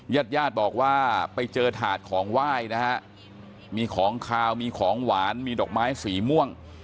ญาติญาติบอกว่าไปเจอถาดของไหว้นะฮะมีของขาวมีของหวานมีดอกไม้สีม่วง